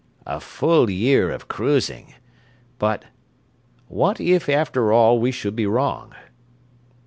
"A full year of cruising. But ... what if, after all, we should be wrong?"